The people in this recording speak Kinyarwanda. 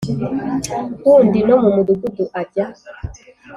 Wundi no mu mudugudu ajya